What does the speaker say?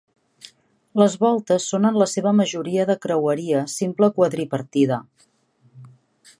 Les voltes són en la seva majoria de creueria simple quadripartida.